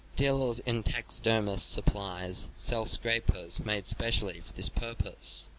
Dealers in taxidermists' sup plies sell scrapers made specially for this purpose.